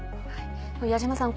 矢島さん